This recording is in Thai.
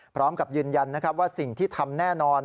พร้อมกับยืนยันนะครับว่าสิ่งที่ทำแน่นอน